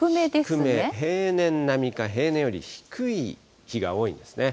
低め、平年並みか平年より低い日が多いんですね。